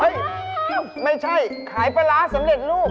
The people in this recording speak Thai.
ไม่ใช่ขายปลาร้าสำเร็จลูก